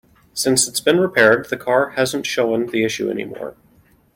Since it's been repaired, the car hasn't shown the issue any more.